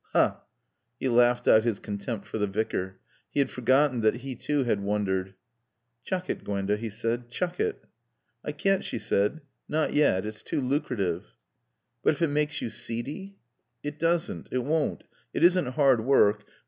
"Hah!" He laughed out his contempt for the Vicar. He had forgotten that he too had wondered. "Chuck it, Gwenda," he said, "chuck it." "I can't," she said. "Not yet. It's too lucrative." "But if it makes you seedy?" "It doesn't. It won't. It isn't hard work.